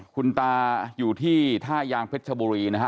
คุณตาอยู่ที่ท่ายางเพชรชบุรีนะฮะ